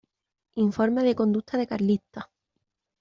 Informes de conducta de carlistas.